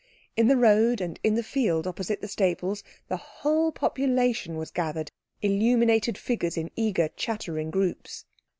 In the road and in the field opposite the stables the whole population was gathered, illuminated figures in eager, chattering groups.